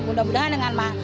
mudah mudahan dengan maaf